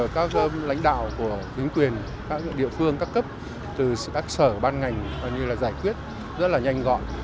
giao cho lãnh đạo của chính quyền các địa phương các cấp từ các sở ban ngành như là giải quyết rất là nhanh gọn